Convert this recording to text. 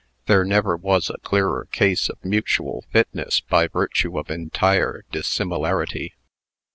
There never was a clearer case of mutual fitness by virtue of entire dissimilarity.